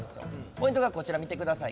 ポイントがこちら見てください。